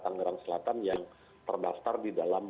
tangerang selatan yang terdaftar di dalam